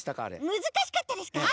むずかしかったですか？